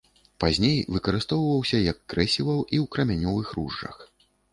Пазней выкарыстоўваўся як крэсіва і ў крамянёвых ружжах.